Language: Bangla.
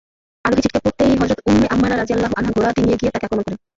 আরোহী ছিটকে পড়তেই হযরত উম্মে আম্মারা রাযিয়াল্লাহু আনহা ঘোড়া ডিঙ্গিয়ে গিয়ে তাকে আক্রমণ করেন।